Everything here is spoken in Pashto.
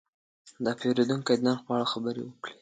دا پیرودونکی د نرخ په اړه خبرې وکړې.